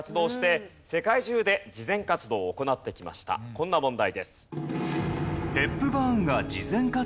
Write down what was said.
こんな問題です。